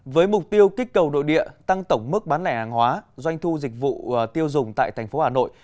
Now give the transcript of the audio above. với mục tiêu kích cầu nội địa tăng tổng mức bán lẻ hàng hóa doanh thu dịch vụ tiêu dùng tại thành phố hà nội